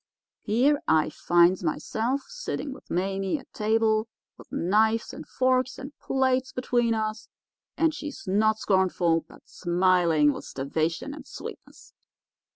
Here I finds myself sitting with Mame at table, with knives and forks and plates between us, and she not scornful, but smiling with starvation and sweetness.